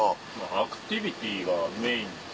アクティビティーがメイン。